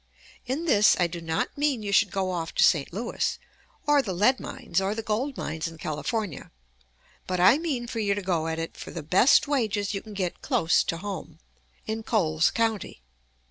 In this I do not mean you should go off to St. Louis, or the lead mines, or the gold mines in California; but I mean for you to go at it for the best wages you can get close to home, in Coles County.